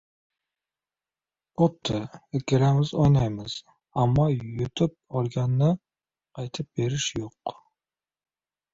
Bo‘pti, ikkalamiz o‘ynaymiz. Ammo yutib olganni qaytib berish yo‘q.